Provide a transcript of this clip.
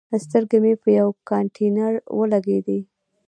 سترګې مې په یوه کانتینر ولګېدي.